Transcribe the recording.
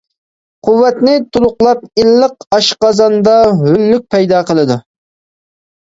قۇۋۋەتنى تولۇقلاپ، ئىللىق ئاشقازاندا ھۆللۈك پەيدا قىلىدۇ.